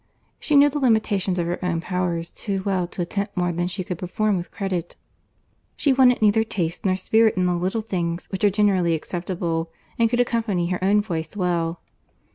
She knew the limitations of her own powers too well to attempt more than she could perform with credit; she wanted neither taste nor spirit in the little things which are generally acceptable, and could accompany her own voice well.